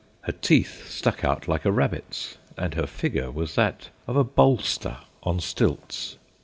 Her teeth stuck out like a rabbit's, and her figure was that of a bolster on stilts.